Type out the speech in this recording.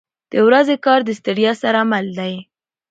• د ورځې کار د ستړیا سره مل دی.